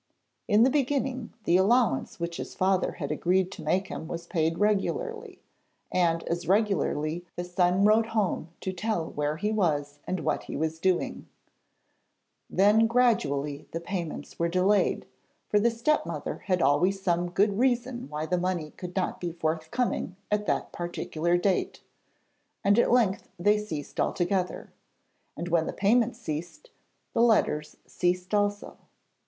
In the beginning, the allowance which his father had agreed to make him was paid regularly, and as regularly the son wrote home to tell where he was and what he was doing. Then gradually the payments were delayed, for the stepmother had always some good reason why the money could not be forthcoming at that particular date, and at length they ceased altogether. And when the payments ceased, the letters ceased also.